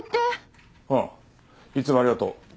ああいつもありがとう。